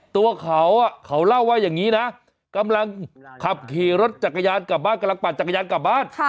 ตัวเขาเขาเล่าว่าอย่างนี้นะกำลังขับขี่รถจักรยานกลับบ้านกำลังปั่นจักรยานกลับบ้าน